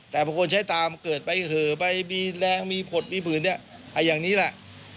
แต่คนใช้ตามเกิดไปเผลอไปมีแรงมีผลดมีผื่นอย่างนี้แหละ